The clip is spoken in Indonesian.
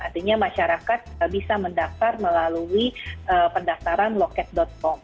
artinya masyarakat bisa mendaftar melalui pendaftaran loket com